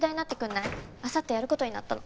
あさってやる事になったの。